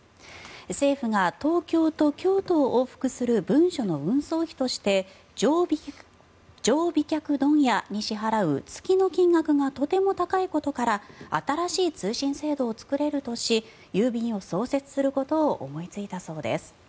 政府が東京と京都を往復する文書の運送費として定飛脚問屋に支払う月の金額がとても高いことから新しい通信制度を作れるとし郵便を創設することを思いついたそうです。